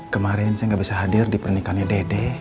kemarin saya nggak bisa hadir di pernikahannya dede